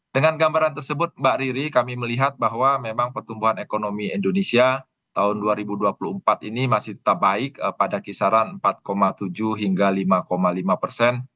dengan gambaran tersebut mbak riri kami melihat bahwa memang pertumbuhan ekonomi indonesia tahun dua ribu dua puluh empat ini masih tetap baik pada kisaran empat tujuh hingga lima lima persen